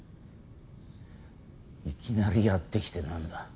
いきなりやって来てなんだ？